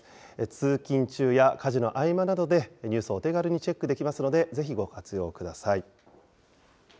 通勤中や家事の合間などで、ニュースをお手軽にチェックできますので、ぜひ、ご活用ください。